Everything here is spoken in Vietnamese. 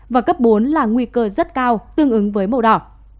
và cấp bốn là nguy cơ rất cao tương ứng với màu đỏ